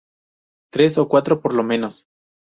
Tres o cuatro por lo menos.